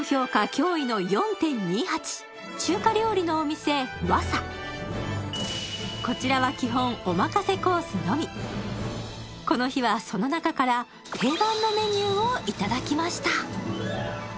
驚異の４．２８中華料理のお店わさこちらは基本おまかせコースのみこの日はその中から定番のメニューをいただきました